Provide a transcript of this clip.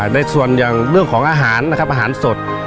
ในส่วนเรื่องของอาหารสด